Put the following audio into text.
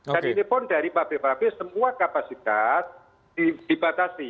ini pun dari pabrik pabrik semua kapasitas dibatasi